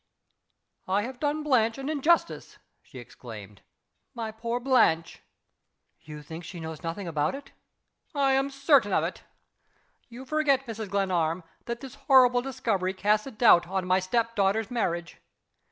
"I have done Blanche an injustice!" she exclaimed. "My poor Blanche!" "You think she knows nothing about it?" "I am certain of it! You forget, Mrs. Glenarm, that this horrible discovery casts a doubt on my step daughter's marriage.